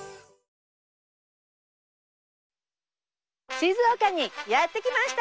静岡にやって来ました！